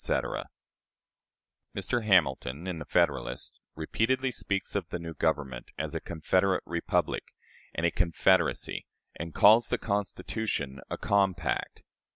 Mr. Hamilton, in the "Federalist," repeatedly speaks of the new government as a "confederate republic" and a "confederacy," and calls the Constitution a "compact."